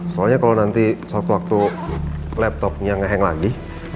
soalnya kalo nanti suatu waktu laptopnya ngeheng lagi